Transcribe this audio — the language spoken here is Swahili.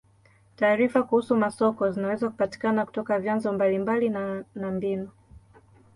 Taarifa kuhusu masoko zinaweza kupatikana kutoka vyanzo mbalimbali na na mbinu.